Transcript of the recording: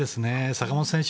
坂本選手